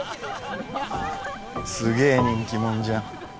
すげえ人気者じゃん。